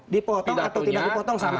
dipotong atau tidak dipotong sama